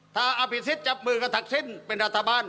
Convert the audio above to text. ถ้าอภิษฎจับมือกันทั้งสิ้นเป็นรัฐบาล